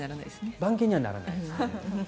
番犬にはならないですね。